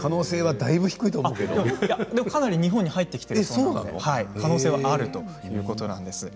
だいぶ日本に入ってきているので可能性はあるということです。